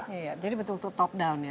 iya jadi betul betul top down ya